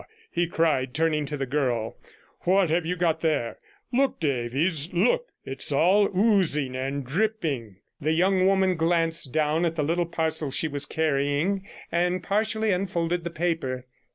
he cried, turning to the girl, 'what have you got there? Look, Davies, look; it's all oozing and dripping.' The young woman glanced down at the little parcel she was carrying, and partially unfolded the paper.